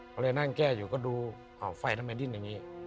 ก็เลยนั่งแก้อยู่ก็ดูไฟทำไมดิ้นอย่างนี้